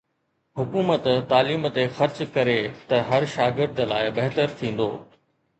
حڪومت تعليم تي خرچ ڪري ته هر شاگرد لاءِ بهتر ٿيندو